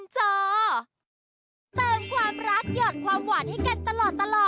เจ้าแจริมเจอร์